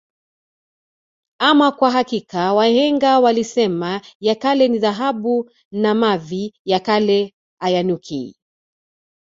Ama kwa hakika wahenga walisema ya kale ni dhahabu na mavi ya kale ayanuki